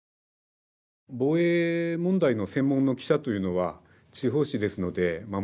防衛問題の専門の記者というのは地方紙ですのでもちろんいません。